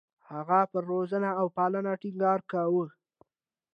هغه پر روزنه او پلان ټینګار کاوه.